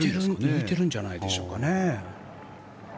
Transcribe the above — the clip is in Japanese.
抜いてるんじゃないでしょうかね。